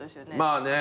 まあね。